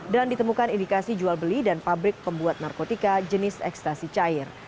dan ditemukan indikasi jual beli dan pabrik pembuat narkotika jenis ekstasi cair